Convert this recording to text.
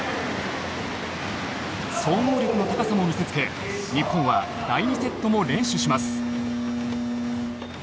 総合力の高さも見せつけ日本は第２セットも連取します。